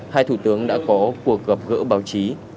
hai thủ tướng đã có cuộc gặp gỡ báo chí